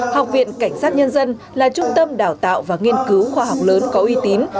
học viện cảnh sát nhân dân là trung tâm đào tạo và nghiên cứu khoa học lớn có uy tín